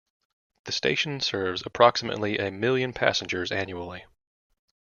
The station serves approximately a million passengers annually.